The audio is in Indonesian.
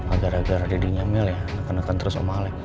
agar agar dadinya mel ya neken neken terus om alex